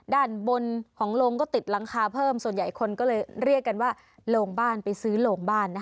ด้านบนของโรงก็ติดหลังคาเพิ่มส่วนใหญ่คนก็เลยเรียกกันว่าโรงบ้านไปซื้อโรงบ้านนะคะ